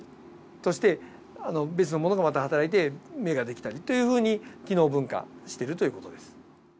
そして別の物がはたらいて目ができたりというふうに機能分化しているという事です。